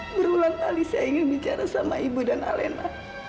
berulang kali saya ingin bicara sama ibu dan alena